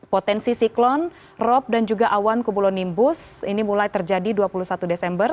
potensi siklon rob dan juga awan kubulonimbus ini mulai terjadi dua puluh satu desember